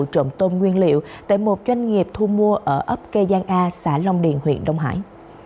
trộm tôm nguyên liệu tại một doanh nghiệp thu mua ở ấp kê giang a xã long điền huyện đông hải